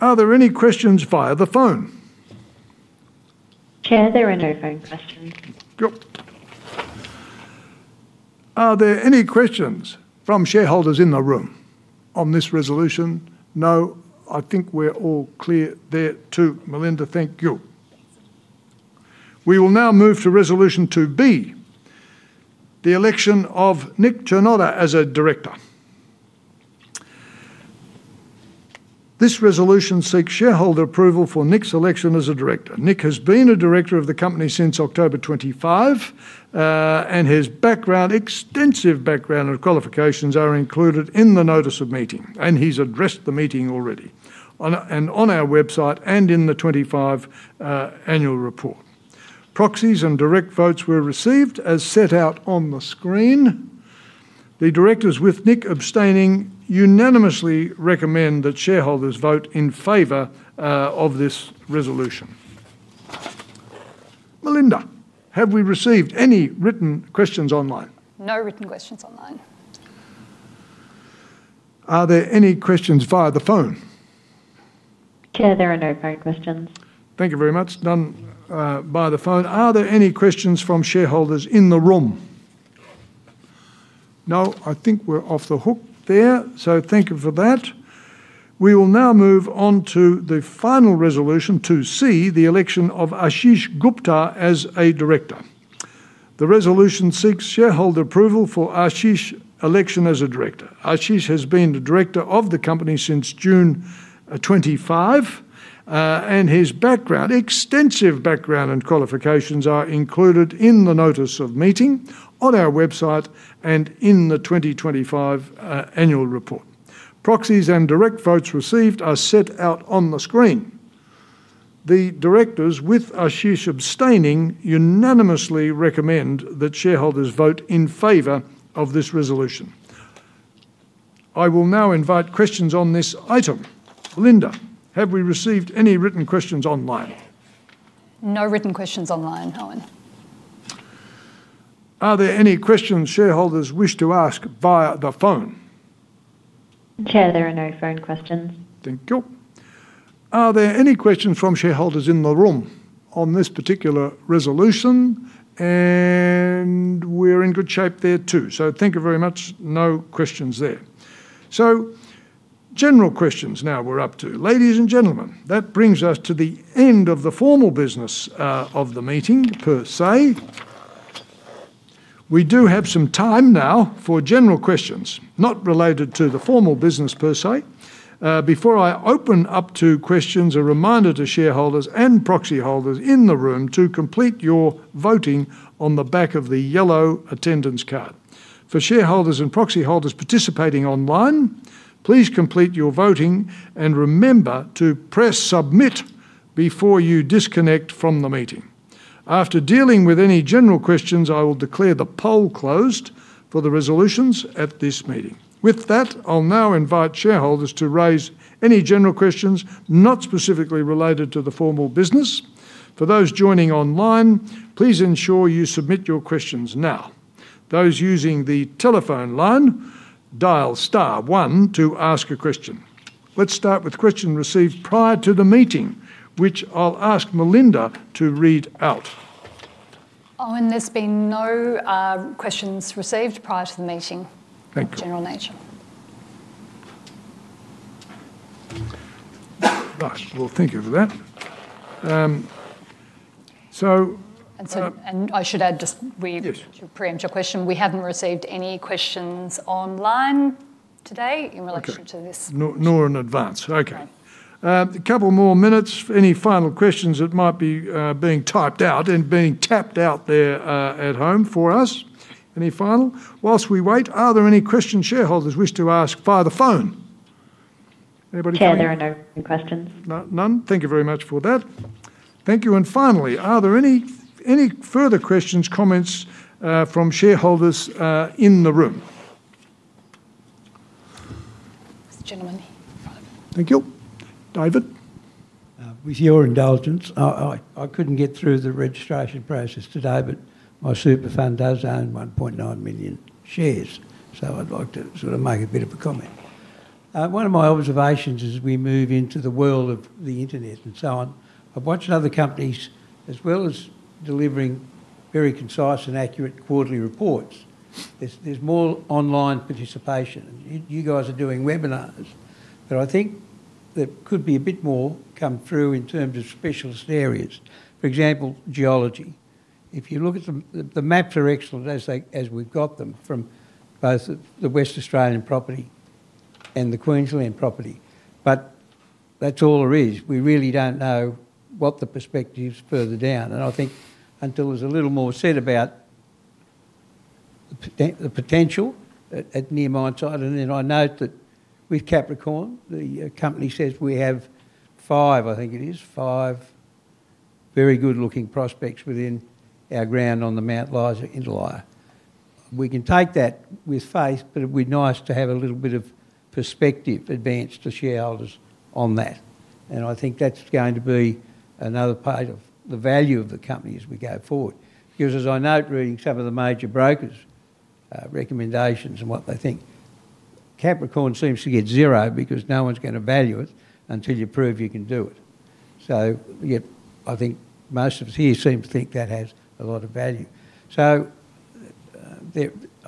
Are there any questions via the phone? Chair, there are no phone questions. Yep. Are there any questions from shareholders in the room on this resolution? No. I think we're all clear there, too, Melinda. Thank you. We will now move to Resolution 2B, the election of Nick Cernotta as a director. This resolution seeks shareholder approval for Nick's election as a director. Nick has been a director of the company since October 2025, and his background, extensive background, and qualifications are included in the notice of meeting, and he's addressed the meeting already, on our website and in the 2025 annual report. Proxies and direct votes were received as set out on the screen. The directors, with Nick abstaining, unanimously recommend that shareholders vote in favor of this resolution. Melinda, have we received any written questions online? No written questions online. Are there any questions via the phone? Chair, there are no phone questions. Thank you very much. None by the phone. Are there any questions from shareholders in the room? No, I think we're off the hook there. Thank you for that. We will now move on to the final resolution, 2C, the election of Ashish Gupta as a director. The resolution seeks shareholder approval for Ashish's election as a director. Ashish has been a director of the company since June 2025, and his background, extensive background, and qualifications are included in the notice of meeting, on our website, and in the 2025 annual report. Proxies and direct votes received are set out on the screen. The directors, with Ashish abstaining, unanimously recommend that shareholders vote in favor of this resolution. I will now invite questions on this item. Melinda, have we received any written questions online? No written questions online, Owen. Are there any questions shareholders wish to ask via the phone? Chair, there are no phone questions. Thank you. Are there any questions from shareholders in the room on this particular resolution? We're in good shape there, too. Thank you very much. No questions there. General questions now we're up to. Ladies and gentlemen, that brings us to the end of the formal business of the meeting per se. We do have some time now for general questions not related to the formal business per se. Before I open up to questions, a reminder to shareholders and proxy holders in the room to complete your voting on the back of the yellow attendance card. For shareholders and proxy holders participating online, please complete your voting and remember to press Submit before you disconnect from the meeting. After dealing with any general questions, I will declare the poll closed for the resolutions at this meeting. With that, I'll now invite shareholders to raise any general questions not specifically related to the formal business. For those joining online, please ensure you submit your questions now. Those using the telephone line, dial star one to ask a question. Let's start with a question received prior to the meeting, which I'll ask Melinda to read out. Owen, there's been no questions received prior to the meeting. Thank you. Of general nature. Right. Well, thank you for that. And so. And I should add just we- Yes. To preempt your question, we haven't received any questions online today. Okay. Relation to this. Nor in advance. Okay. No. A couple more minutes for any final questions that might be being typed out and being tapped out there at home for us. Any final? While we wait, are there any questions shareholders wish to ask via the phone? Chair, there are no questions. None. Thank you very much for that. Thank you. Finally, are there any further questions, comments from shareholders in the room? This gentleman. Thank you. David? With your indulgence, I couldn't get through the registration process today, but my super fund does own 1.9 million shares, so I'd like to sort of make a bit of a comment. One of my observations as we move into the world of the Internet and so on, I've watched other companies, as well as delivering very concise and accurate quarterly reports, there's more online participation. You guys are doing webinars. I think there could be a bit more come through in terms of specialist areas. For example, geology. If you look at the maps are excellent as we've got them from both the Western Australian property and the Queensland property. That's all there is. We really don't know what the perspective's further down. I think until there's a little more said about the potential at near mine site, I note that with Capricorn Copper, the company says we have five very good-looking prospects within our ground on the Mount Isa Inlier. We can take that with faith, but it'd be nice to have a little bit of perspective advanced to shareholders on that. I think that's going to be another part of the value of the company as we go forward. As I note, reading some of the major brokers' recommendations and what they think, Capricorn Copper seems to get 0 because no one's going to value it until you prove you can do it. Yet, I think most of us here seem to think that has a lot of value. I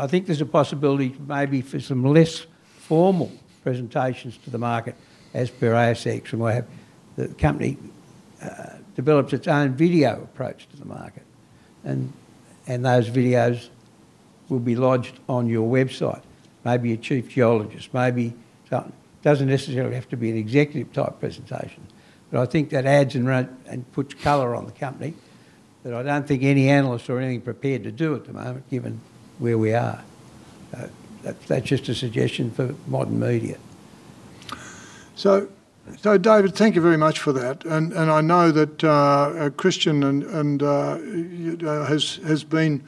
think there's a possibility maybe for some less formal presentations to the market as per ASX and we'll have the company develop its own video approach to the market, and those videos will be lodged on your website. Maybe a chief geologist, maybe something. Doesn't necessarily have to be an executive-type presentation. I think that adds and puts color on the company, I don't think any analyst or anything prepared to do it at the moment, given where we are. That's just a suggestion for modern media. David, thank you very much for that. I know that Kristian and has been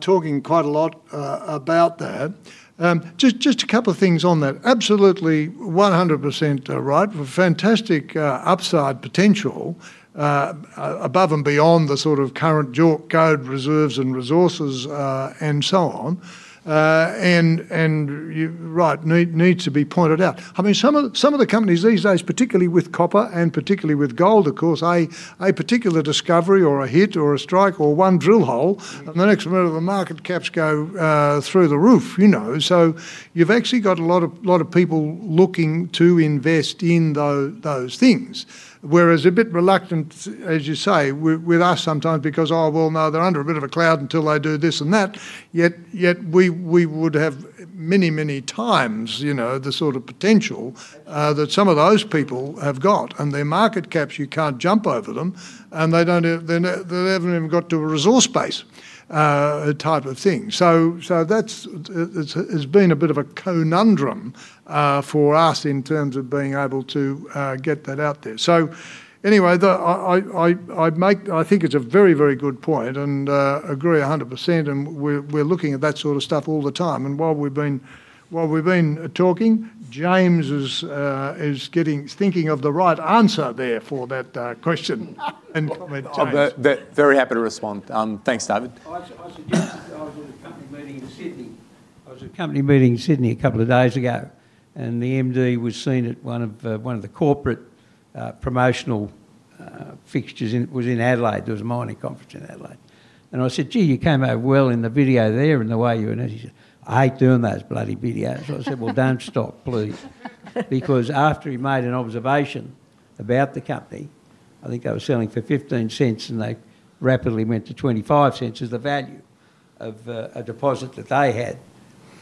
talking quite a lot about that. Just a couple of things on that. Absolutely 100% right. We've a fantastic upside potential above and beyond the sort of current JORC code reserves and resources, and so on. You're right, need to be pointed out. I mean, some of the companies these days, particularly with copper and particularly with gold, of course, a particular discovery or a hit or a strike or one drill hole. The next minute the market caps go through the roof. You've actually got a lot of people looking to invest in those things. Whereas a bit reluctant, as you say, with us sometimes because, "Oh, well, no, they're under a bit of a cloud until they do this and that." We would have many, many times the sort of potential. Right. That some of those people have got, and their market caps, you can't jump over them, and they haven't even got to a resource base type of thing. That's, it's been a bit of a conundrum for us in terms of being able to get that out there. Anyway, the I'd make, I think it's a very, very good point and agree 100%. We're looking at that sort of stuff all the time. While we've been talking, James is getting, he's thinking of the right answer there for that question and comment. James. I'm very happy to respond. Thanks, David. I suggest you start meeting in Sydney. I was at a company meeting in Sydney a couple of days ago, the MD was seen at one of the corporate promotional fixtures. It was in Adelaide. There was a mining conference in Adelaide. I said, "Gee, you came out well in the video there and the way you" He said, "I hate doing those bloody videos." I said, "Well, don't stop, please." Because after he made an observation about the company, I think they were selling for 0.15 and they rapidly went to 0.25 as the value of a deposit that they had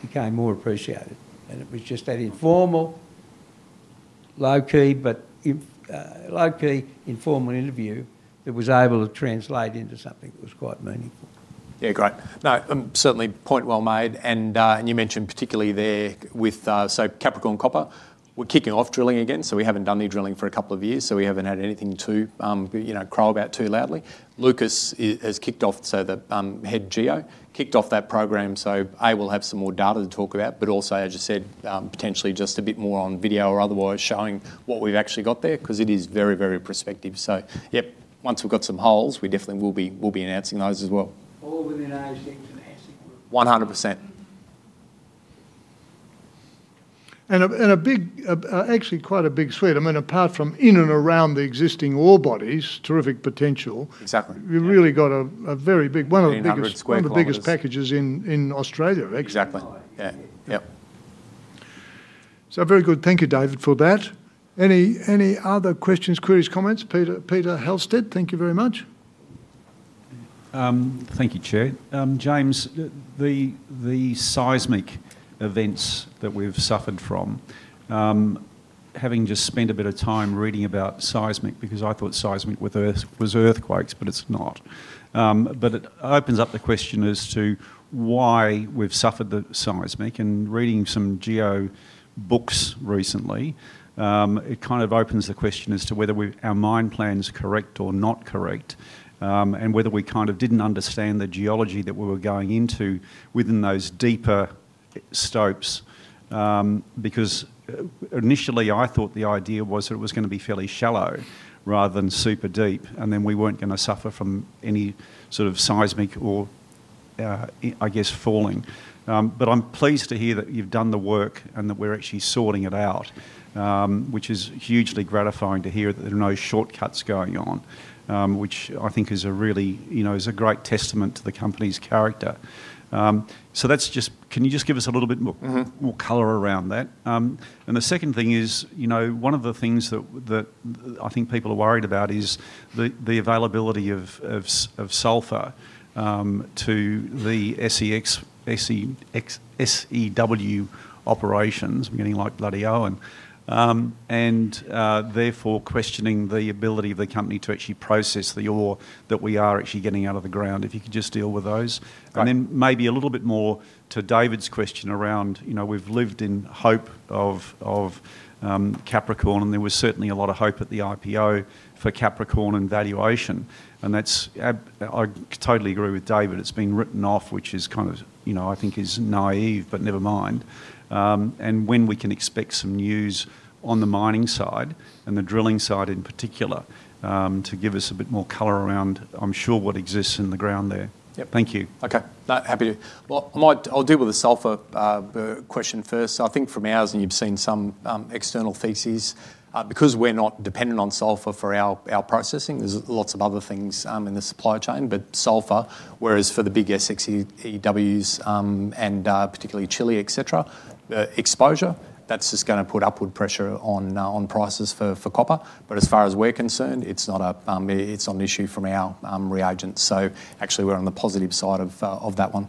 became more appreciated. It was just that informal, low-key but informal interview that was able to translate into something that was quite meaningful. Yeah, great. No, certainly point well made. You mentioned particularly there with Capricorn Copper, we're kicking off drilling again, we haven't done any drilling for a couple of years, we haven't had anything to crawl about too loudly. Lucas has kicked off, the head geo, kicked off that program, I will have some more data to talk about, also, as you said, potentially just a bit more on video or otherwise showing what we've actually got there because it is very prospective. Yep, once we've got some holes, we definitely will be announcing those as well. All within eyes then from. *audio distortion* 100%. Actually quite a big suite. Apart from in and around the existing ore bodies, terrific potential. Exactly. We've really got a very. 1,800 sq km. One of the biggest packages in Australia. Exactly. Yeah. Yep. Very good. Thank you, David, for that. Any other questions, queries, comments? Peter Halstead, thank you very much. Thank you, Chair. James, the seismic events that we've suffered from, having just spent a bit of time reading about seismic because I thought seismic was earthquakes, it's not. It opens up the question as to why we've suffered the seismic. Reading some geo books recently, it kind of opens the question as to whether our mine plan is correct or not correct and whether we kind of didn't understand the geology that we were going into within those deeper stopes. Initially I thought the idea was that it was going to be fairly shallow rather than super deep, and then we weren't going to suffer from any sort of seismic or, I guess, falling. I'm pleased to hear that you've done the work and that we're actually sorting it out, which is hugely gratifying to hear that there are no shortcuts going on, which I think is a great testament to the company's character. Can you just give us a little bit more- color around that? The second thing is, one of the things that I think people are worried about is the availability of sulfur to the SX-EW operations, meaning like Bloody Owen. Therefore questioning the ability of the company to actually process the ore that we are actually getting out of the ground. If you could just deal with those. Right. Then maybe a little bit more to David's question around we've lived in hope of Capricorn and there was certainly a lot of hope at the IPO for Capricorn and valuation. I totally agree with David, it's been written off which I think is naive, but never mind. When we can expect some news on the mining side and the drilling side in particular to give us a bit more color around, I'm sure what exists in the ground there. Yep. Thank you. Okay. Happy to. Well, I'll deal with the sulfur question first. I think from ours, and you've seen some external theses. We're not dependent on sulfur for our processing, there's lots of other things in the supply chain. Sulfur, whereas for the big SX-EW and particularly Chile, et cetera, exposure, that's just going to put upward pressure on prices for copper. As far as we're concerned, it's not an issue from our reagents. Actually we're on the positive side of that one.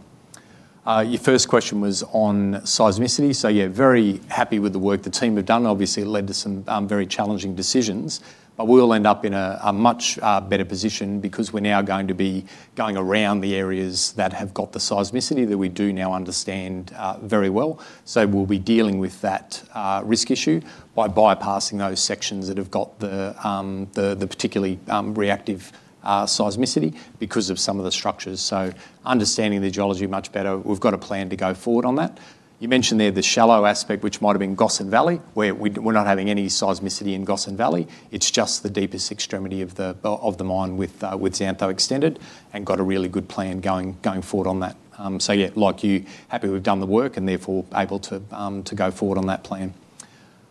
Your first question was on seismicity. Yeah, very happy with the work the team have done. Obviously, it led to some very challenging decisions. We will end up in a much better position because we're now going to be going around the areas that have got the seismicity that we do now understand very well. We'll be dealing with that risk issue by bypassing those sections that have got the particularly reactive seismicity because of some of the structures. Understanding the geology much better. We've got a plan to go forward on that. You mentioned there the shallow aspect which might've been Gossan Valley, where we're not having any seismicity in Gossan Valley. It's just the deepest extremity of the mine with Xantho Extended and got a really good plan going forward on that. Yeah, like you, happy we've done the work and therefore able to go forward on that plan.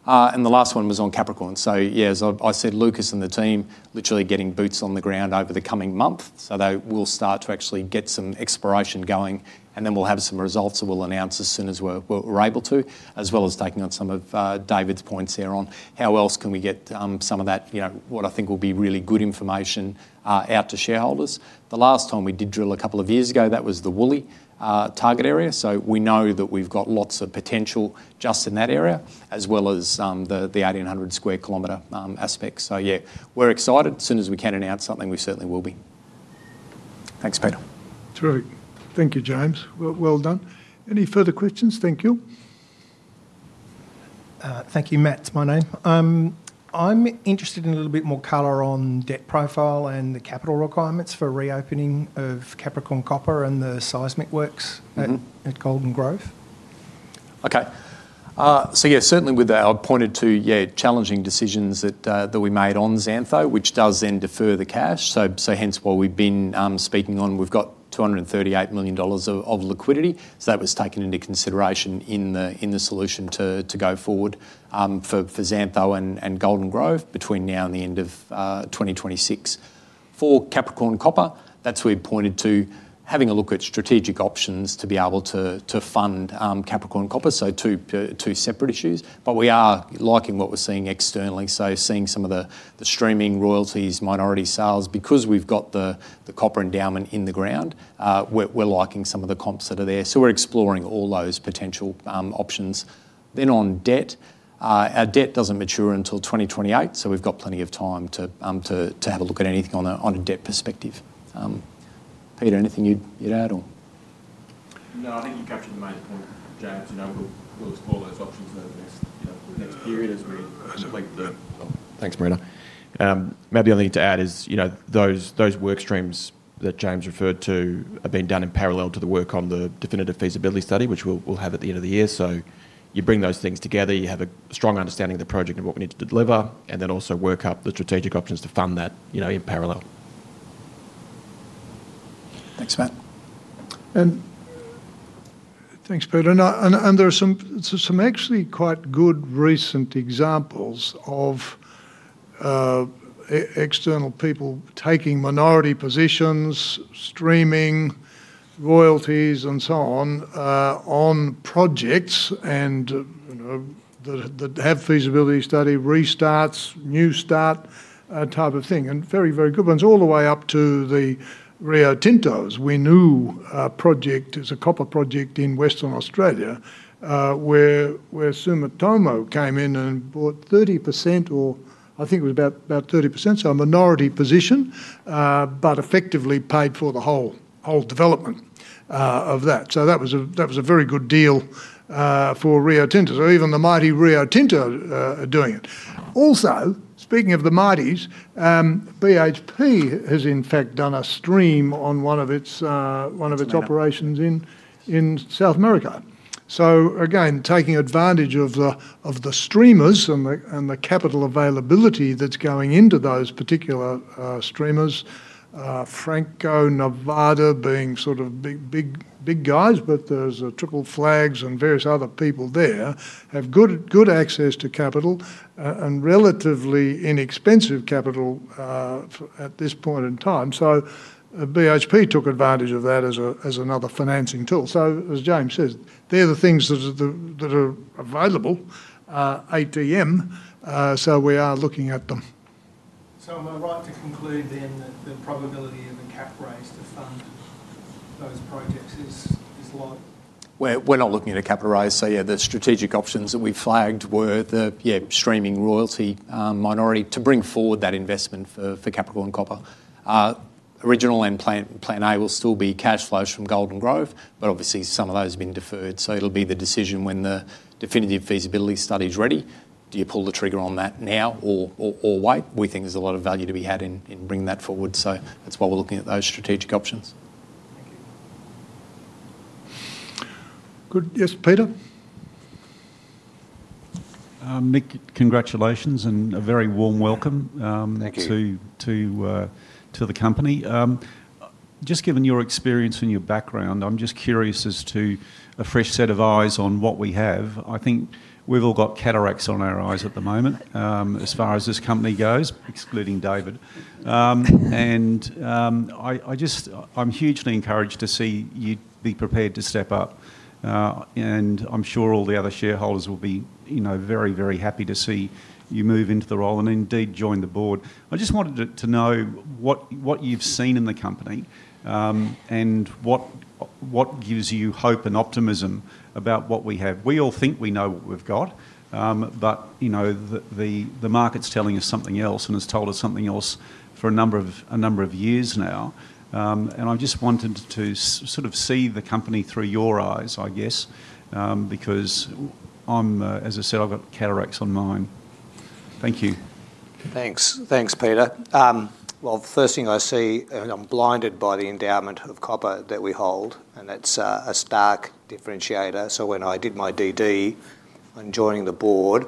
The last one was on Capricorn. Yeah, as I said, Lucas and the team literally getting boots on the ground over the coming month. They will start to actually get some exploration going and then we'll have some results that we'll announce as soon as we're able to, as well as taking on some of David's points there on how else can we get some of that, what I think will be really good information out to shareholders. The last time we did drill a couple of years ago, that was the Woolly target area. We know that we've got lots of potential just in that area as well as the 1,800 sq km aspect. Yeah, we're excited. As soon as we can announce something, we certainly will be. Thanks, Peter. Terrific. Thank you, James. Well done. Any further questions? Thank you. Thank you. Matt's my name. I'm interested in a little bit more color on debt profile and the capital requirements for reopening of Capricorn Copper and the seismic works at Golden Grove. Okay. Yeah, certainly with that, I pointed to challenging decisions that we made on Xantho, which does then defer the cash. Hence why we've been speaking on, we've got 238 million dollars of liquidity. That was taken into consideration in the solution to go forward for Xantho and Golden Grove between now and the end of 2026. For Capricorn Copper, that's where we pointed to having a look at strategic options to be able to fund Capricorn Copper. Two separate issues. We are liking what we're seeing externally, seeing some of the streaming royalties, minority sales, because we've got the copper endowment in the ground. We're liking some of the comps that are there. We're exploring all those potential options. On debt. Our debt doesn't mature until 2028. We've got plenty of time to have a look at anything on a debt perspective. Peter, anything you'd add, or? No, I think you captured the main point, James. We'll explore those options over this next period as we complete. Thanks, Peter. Maybe only thing to add is, those work streams that James referred to have been done in parallel to the work on the definitive feasibility study, which we'll have at the end of the year. You bring those things together, you have a strong understanding of the project and what we need to deliver, and then also work up the strategic options to fund that in parallel. Thanks, Matt. Thanks, Peter. There are some actually quite good recent examples of external people taking minority positions, streaming royalties and so on projects and that have definitive feasibility study restarts, new start type of thing, and very, very good ones, all the way up to the Rio Tinto's Winu project. It's a copper project in Western Australia, where Sumitomo came in and bought 30%, or I think it was about 30%, so a minority position. Effectively paid for the whole development of that. That was a very good deal for Rio Tinto. Even the mighty Rio Tinto are doing it. Also, speaking of the mighties, BHP has in fact done a stream on one of its- operations operations in South America. Again, taking advantage of the streamers and the capital availability that's going into those particular streamers. Franco-Nevada being sort of big guys, there's Triple Flags and various other people there have good access to capital and relatively inexpensive capital at this point in time. BHP took advantage of that as another financing tool. As James says, they're the things that are available, ATM, we are looking at them. Am I right to conclude then that the probability of a cap raise to fund those projects is low? We're not looking at a cap raise. Yeah, the strategic options that we flagged were the streaming royalty minority to bring forward that investment for Capricorn Copper. Original and plan A will still be cash flows from Golden Grove, but obviously some of those have been deferred, so it'll be the decision when the definitive feasibility study's ready. Do you pull the trigger on that now or wait? We think there's a lot of value to be had in bringing that forward. That's why we're looking at those strategic options. Thank you. Good. Yes, Peter? Nick, congratulations and a very warm welcome. Thank you. to the company. Just given your experience and your background, I'm just curious as to a fresh set of eyes on what we have. I think we've all got cataracts on our eyes at the moment as far as this company goes, excluding David. I'm hugely encouraged to see you be prepared to step up. I'm sure all the other shareholders will be very, very happy to see you move into the role and indeed join the board. I just wanted to know what you've seen in the company, and what gives you hope and optimism about what we have. We all think we know what we've got. The market's telling us something else and has told us something else for a number of years now. I just wanted to sort of see the company through your eyes, I guess. Because I'm, as I said, I've got cataracts on mine. Thank you. Thanks. Thanks, Peter. The first thing I see, I'm blinded by the endowment of copper that we hold, that's a stark differentiator. When I did my DD on joining the board,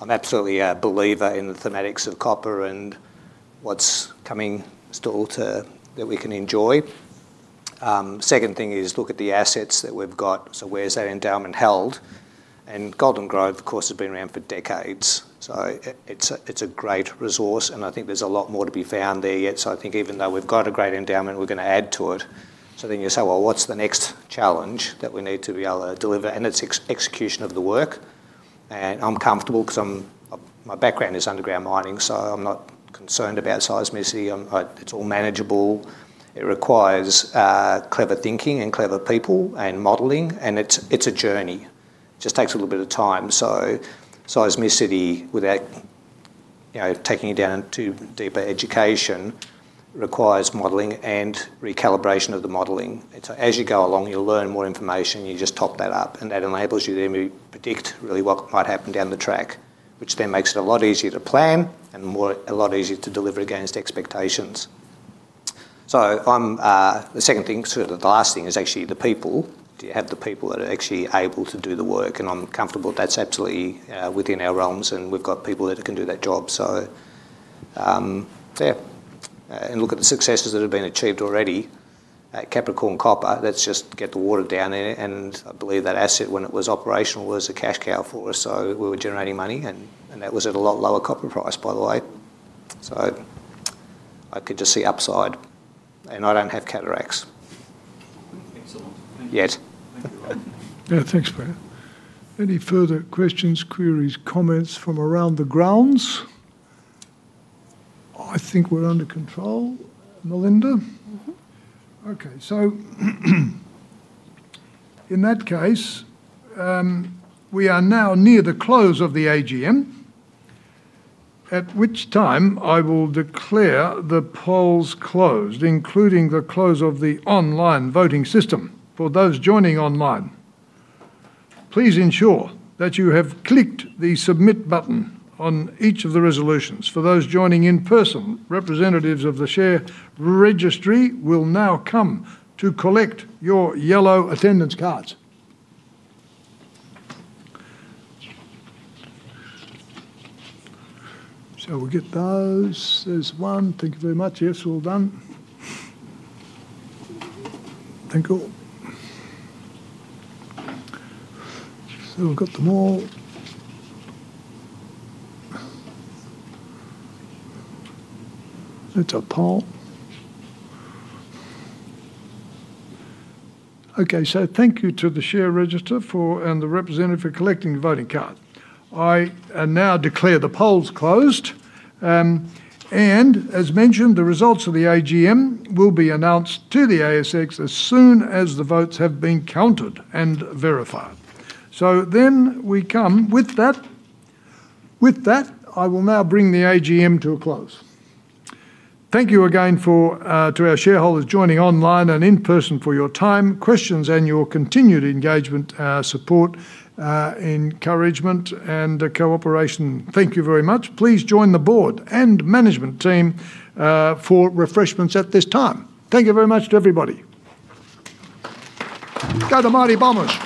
I'm absolutely a believer in the thematics of copper and what's coming still that we can enjoy. Second thing is look at the assets that we've got. Where's that endowment held? Golden Grove, of course, has been around for decades. It's a great resource, I think there's a lot more to be found there yet. I think even though we've got a great endowment, we're going to add to it. You say, "Well, what's the next challenge that we need to be able to deliver?" It's execution of the work. I'm comfortable because my background is underground mining, I'm not concerned about seismicity. It's all manageable. It requires clever thinking and clever people and modeling, and it's a journey. Just takes a little bit of time. Seismicity, without taking it down into deeper education, requires modeling and recalibration of the modeling. As you go along, you'll learn more information, you just top that up, and that enables you to then predict really what might happen down the track. Which then makes it a lot easier to plan and a lot easier to deliver against expectations. The second thing, sort of the last thing, is actually the people. Do you have the people that are actually able to do the work? I'm comfortable that's absolutely within our realms, and we've got people that can do that job. Yeah. Look at the successes that have been achieved already at Capricorn Copper. Let's just get the water down there, and I believe that asset, when it was operational, was a cash cow for us. We were generating money, and that was at a lot lower copper price, by the way. I could just see upside, and I don't have cataracts. Excellent. Yet. Yeah, thanks, Brad. Any further questions, queries, comments from around the grounds? I think we're under control, Melinda. In that case, we are now near the close of the AGM, at which time I will declare the polls closed, including the close of the online voting system. For those joining online, please ensure that you have clicked the submit button on each of the resolutions. For those joining in person, representatives of the share registry will now come to collect your yellow attendance cards. We'll get those. There's one. Thank you very much. Yes, well done. Thank you. We've got them all. That's a poll. Thank you to the share register and the representative for collecting the voting cards. I now declare the polls closed, and as mentioned, the results of the AGM will be announced to the ASX as soon as the votes have been counted and verified. With that, I will now bring the AGM to a close. Thank you again to our shareholders joining online and in person for your time, questions, and your continued engagement, support, encouragement, and cooperation. Thank you very much. Please join the board and management team for refreshments at this time. Thank you very much to everybody. Go the Mighty Bombers.